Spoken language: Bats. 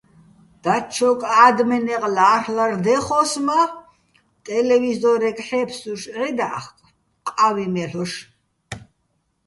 დაჩოკ ა́დმენეღ ლა́რ'ლარ დეხო́ს მა́, ტელევიზო́რეგ ჰ̦ე́ფსუშ ჺედა́ხკ, ყა́ვი მე́ლ'ოშ.